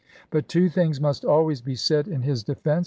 But two things must always be said in his defense.